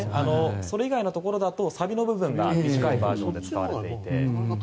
それ以外のところだとサビの部分が短いバージョンで使われていて。